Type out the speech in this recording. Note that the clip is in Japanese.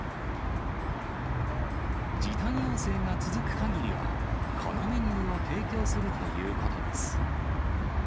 時短要請が続くかぎりは、このメニューを提供するということです。